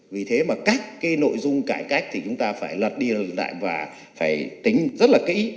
vì thế mà cách cái nội dung cải cách thì chúng ta phải lật đi lại và phải tính rất là kỹ